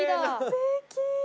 すてき。